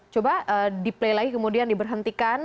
coba deplay lagi kemudian diberhentikan